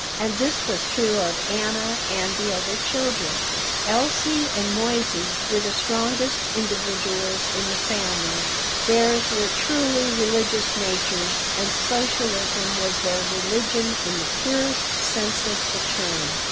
And this was true of Anna and the other children. Elsie and Moissey were the strongest individualities in the family. Theirs were truly religious natures, and socialism was their religion in the purest sense of the term.